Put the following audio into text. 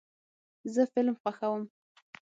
زه فلم خوښوم.